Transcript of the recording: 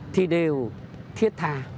thì đều thiết thà